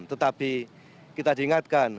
tetapi kita diingatkan